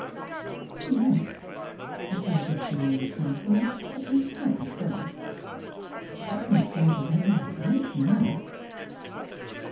"Oh, yes," replied Miss Philura tranquilly, but with heightened color ;*' I can afford whatever I like now."